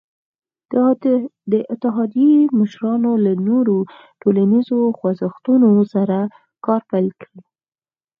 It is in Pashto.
د اتحادیې مشرانو له نورو ټولنیزو خوځښتونو سره کار پیل کړ.